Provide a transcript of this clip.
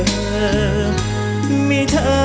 สวัสดีครับ